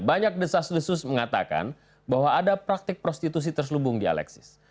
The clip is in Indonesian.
banyak desas desus mengatakan bahwa ada praktik prostitusi terselubung di alexis